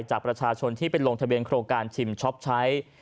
จากประชาชนที่ไปลงทะเบียนโครงการชิมช็อปใช้